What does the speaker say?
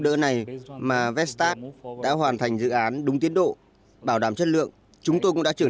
đỡ này mà vestap đã hoàn thành dự án đúng tiến độ bảo đảm chất lượng chúng tôi cũng đã trưởng